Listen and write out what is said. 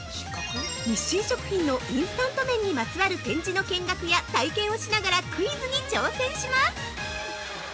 日清食品のインスタント麺にまつわる展示の見学や体験をしながらクイズに挑戦します。